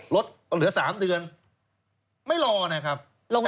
เหลือ๓เดือนไม่รอนะครับ